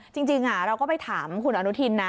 จริงเราก็ไปถามคุณอนุทินนะ